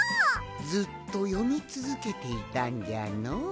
ずっとよみつづけていたんじゃのう。